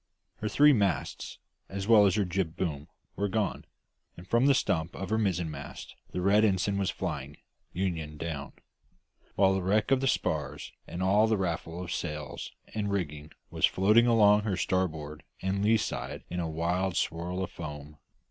Her three masts, as well as her jib boom, were gone; and from the stump of her mizzenmast the red ensign was flying, union down; while the wreck of the spars and all the raffle of sails and rigging was floating along her starboard or lee side in a wild swirl of foam.